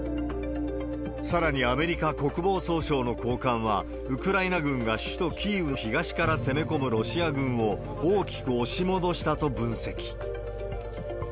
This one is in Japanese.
さらにアメリカ国防総省の高官は、ウクライナ軍が首都キーウの東から攻め込むロシア軍を大きく押し戻したと分析。